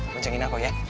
bonjengin aku ya